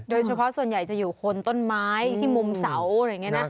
โดยเฉพาะส่วนใหญ่จะอยู่คนต้นไม้ที่มุมเสาอะไรอย่างนี้นะ